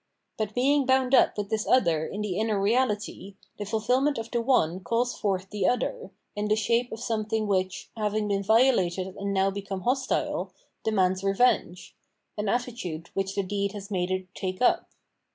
But being bound up with this other in the inner reahty, the fulfil ment of the one calls forth the other, in the shape of something which, having been violated and now become hostile, demands revenge — an attitude which the deed has made it take up.